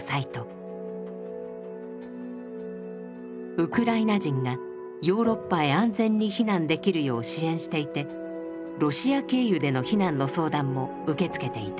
ウクライナ人がヨーロッパへ安全に避難できるよう支援していてロシア経由での避難の相談も受け付けていた。